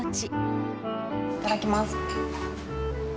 いただきます。